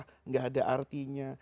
tidak ada artinya